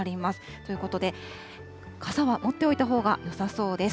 ということで、傘は持っておいたほうがよさそうです。